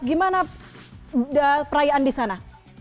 gimana perayaan di sana